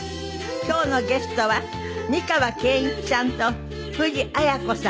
今日のゲストは美川憲一さんと藤あや子さん。